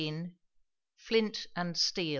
FLINT AND STEEL.